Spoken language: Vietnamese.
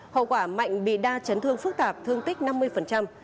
hậu quả mạnh bị đa chấn thương phức tạp thương tích năm mươi